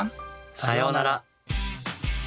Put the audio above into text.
さようなら。